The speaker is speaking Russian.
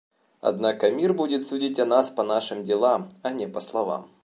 Однако мир будет судить о нас по нашим делам, а не по словам.